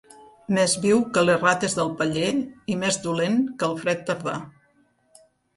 Més viu que les rates del paller i més dolent que el fred tardà.